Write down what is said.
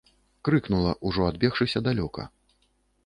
Крыкнула, ужо адбегшыся далёка.